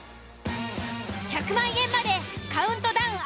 １００万円までカウントダウン